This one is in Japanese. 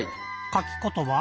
かきことば？